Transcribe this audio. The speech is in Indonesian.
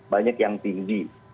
banyak yang tinggi